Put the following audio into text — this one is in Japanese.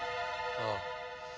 ああ。